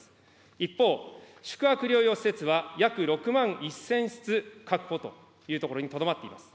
一方、宿泊療養施設は、約６万１０００室確保というところにとどまっています。